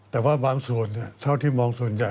แต่ว่าบางส่วนเท่าที่มองส่วนใหญ่